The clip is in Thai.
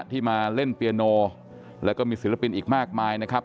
ที่มาเล่นเปียโนแล้วก็มีศิลปินอีกมากมายนะครับ